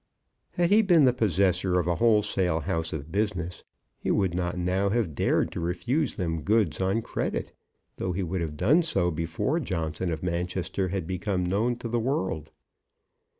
Had he been the possessor of a wholesale house of business, he would not now have dared to refuse them goods on credit, though he would have done so before Johnson of Manchester had become known to the world.